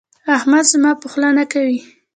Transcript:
احمد زما په خوله نه کوي.